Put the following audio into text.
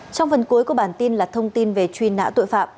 trong phần cuối của bản tin là thông tin về truy nã tội phạm